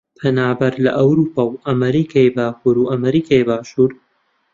پەنابەر لە ئەورووپا و ئەمریکای باکوور و ئەمریکای باشوور